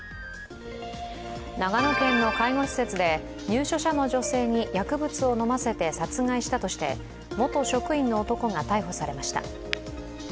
長野県の介護施設で入所者の女性に薬物を飲ませて殺害したとして、元職員の男が逮捕されました。